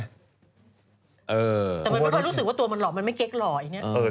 แต่มันไม่ค่อยรู้สึกว่าตัวมันหล่อมันไม่เก๊กหล่ออย่างนี้